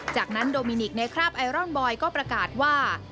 จากนั้นโดมินิกในคราบไอรอนบอยก็ประกาศว่า